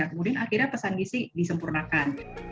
kemudian akhirnya pesan gizi disempurnakan